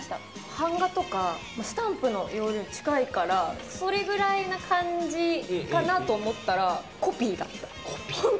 版画とかスタンプの要領に近いからそれぐらいな感じかなと思ったらコピーだった。